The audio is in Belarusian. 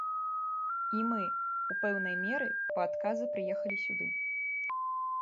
І мы ў пэўнай меры па адказы прыехалі сюды.